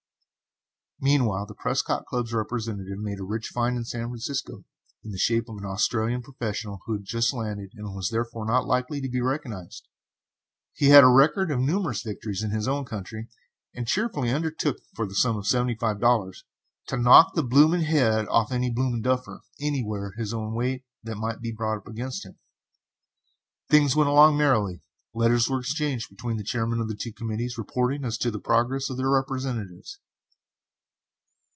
Meanwhile the Prescott Club's representative had made a rich find in San Francisco, in the shape of an Australian professional who had just landed and was therefore not likely to be recognized. He had a record of numerous victories in his own country, and cheerfully undertook, for the sum of seventy five dollars, "to knock the bloomin' head off any bloomin' duffer," anywhere near his own weight, that might be brought against him. Things went along merrily, letters were exchanged between the chairman of the two committees reporting as to the progress of their representatives.